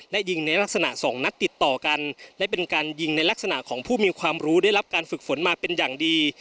และยิงในลักษณะสองนัดติดต่อกันและเป็นการยิงในลักษณะของผู้มีความรู้ได้รับการฝึกฝนมาเป็นอย่างดี